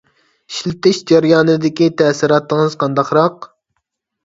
ئىشلىتىش جەريانىدىكى تەسىراتىڭىز قانداقراق؟